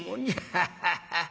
アハハハ。